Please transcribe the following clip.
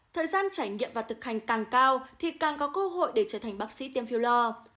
thời gian trải nghiệm và thực hành càng cao thì càng có cơ hội để trở thành bác sĩ tiêm filor